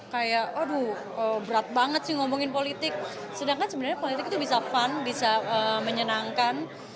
kayak aduh berat banget sih ngomongin politik sedangkan sebenarnya politik itu bisa fun bisa menyenangkan